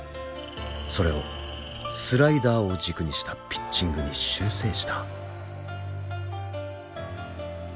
それをスライダーを軸にしたピッチングに修正した。